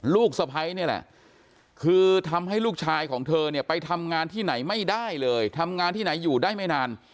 ลูกสะพ้ายนี่แหละคือทำให้ลูกชายของเธอเนี่ยไปทำงานที่ไหนไม่ได้เลยทำงานที่ไหนอยู่ได้ไม่นาน